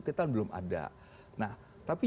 kita belum ada nah tapi